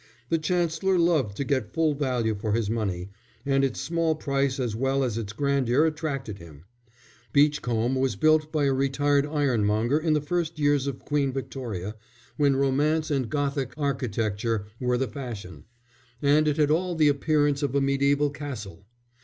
The Chancellor loved to get full value for his money, and its small price as well as its grandeur attracted him. Beachcombe was built by a retired ironmonger in the first years of Queen Victoria, when romance and Gothic architecture were the fashion; and it had all the appearance of a mediæval castle.